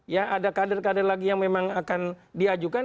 ya ada kader kader lagi yang memang akan diajukan